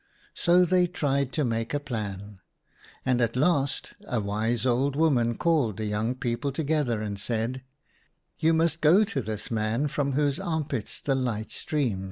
" So they tried to make a plan, and at last a wise old woman called the young people together and said :' You must go to this man from whose armpits the light streams.